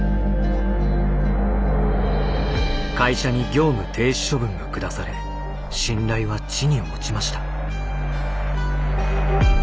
会社に業務停止処分が下され信頼は地に落ちました。